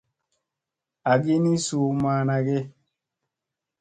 Agi ni suu ma ana age.